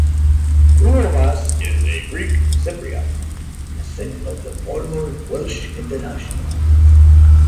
Koumas is of Greek Cypriot descent and is a former Welsh international.